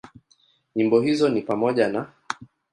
Nyimbo hizo ni pamoja na;